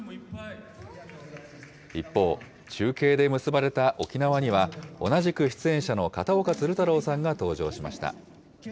一方、中継で結ばれた沖縄には、同じく出演者の片岡鶴太郎さんが登場しました。